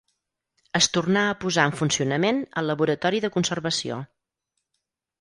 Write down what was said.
Es tornà a posar en funcionament el laboratori de conservació.